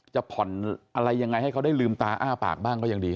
จะผ่อนอะไรยังไงให้เขาได้ลืมตาอ้าปากบ้างก็ยังดี